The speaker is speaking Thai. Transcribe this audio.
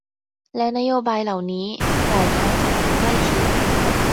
และนโยบายเหล่านี้ หลายครั้งสัมพันธ์ใกล้ชิด